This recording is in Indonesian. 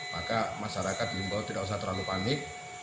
maka masyarakat diimbau tidak usah terlalu panik